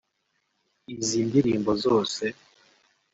Izi ndirimbo zose